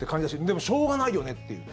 でもしょうがないよねという。